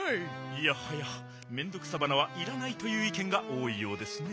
いやはやメンドクサバナはいらないといういけんがおおいようですね。